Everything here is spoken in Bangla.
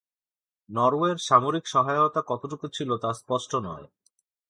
নরওয়ের সামরিক সহায়তা কতটুকু ছিল তা স্পষ্ট নয়।